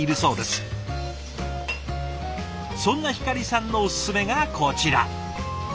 そんな光さんのおすすめがこちら。